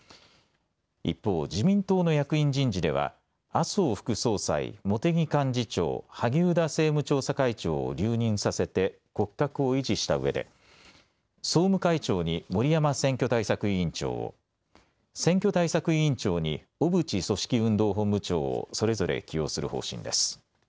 一方、自民党の役員人事では麻生副総裁、茂木幹事長、萩生田政務調査会長を留任させて骨格を維持したうえで総務会長に森山選挙対策委員長を、選挙対策委員長に小渕組織運動本部長をそれぞれ起用する方針です。